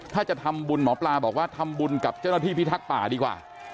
ถ้าจะทำบุญหมอปลาบอกว่าทำบุญกับเจ้าหน้าที่พิทักษ์ป่าดีกว่า